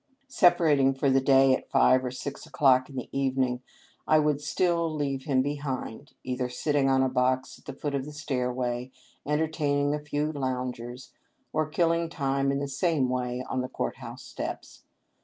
Separating for the day at five or six o'clock in the evening, I would still leave him behind, either sit ting on a box at the foot of the stairway, enter taining a few loungers, or killing time in the same way on the court house steps.